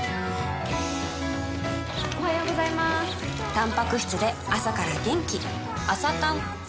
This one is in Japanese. たんぱく質で朝から元気